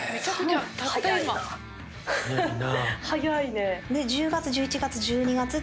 早いね。